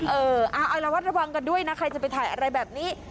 เออเอาละวัดระวังกันด้วยนะใครจะไปถ่ายอะไรแบบนี้